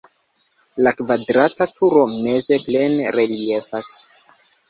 La kvadrata turo meze plene reliefas.